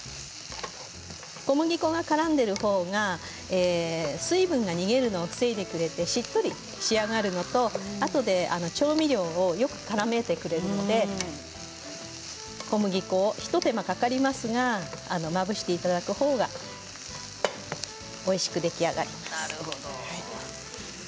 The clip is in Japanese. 小麦粉がからんでいるほうが水分が逃げるのを防いでくれてしっとり仕上がるのであとで調味料をからめてくれますので小麦粉をひと手間かかりますがまぶしていただくほうがおいしく出来上がります。